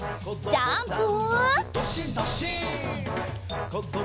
ジャンプ！